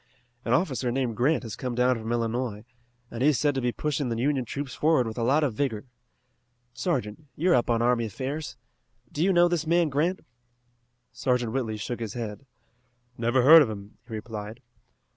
An officer named Grant has come down from Illinois, and he is said to be pushing the Union troops forward with a lot of vigor. Sergeant, you are up on army affairs. Do you know this man Grant?" Sergeant Whitley shook his head. "Never heard of him," he replied.